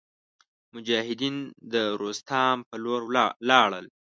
مجاهدین د روستام په لور ولاړل.